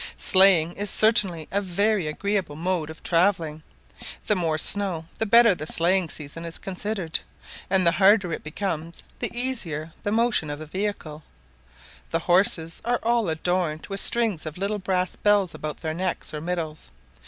Sleighing is certainly a very agreeable mode of travelling; the more snow, the better the sleighing season is considered; and the harder it becomes, the easier the motion of the vehicle. The horses are all adorned with strings of little brass bells about their necks or middles.